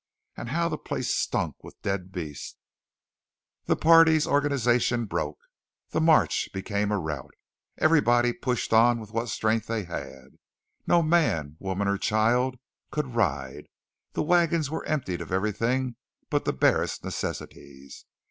And how the place stunk with the dead beasts!" The party's organization broke. The march became a rout. Everybody pushed on with what strength he had. No man, woman, or child could ride; the wagons were emptied of everything but the barest necessities.